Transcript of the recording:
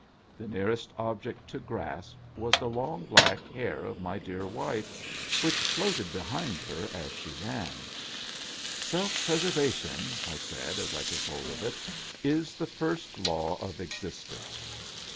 The nearest object to grasp was the long black hair of my dear wife, which floated behind her as she ran. " Self preservation," I said, as I took hold of it, " is the first law of existence."